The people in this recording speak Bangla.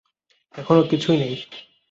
এখনো কিছুই নেই।